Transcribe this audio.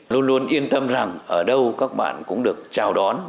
luôn luôn yên tâm rằng ở đâu các bạn cũng được chào đón